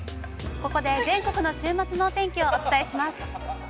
◆ここで全国の週末のお天気をお伝えします。